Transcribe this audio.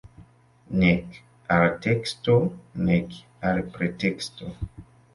Nek al teksto, nek al preteksto.